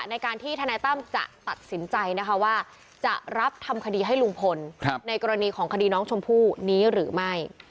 ในการที่ทนายตั้มจะตัดสินใจนะคะว่าจะรับทำคดีให้ลุงพลในกรณีของคดีน้องชมพู่นี้หรือไม่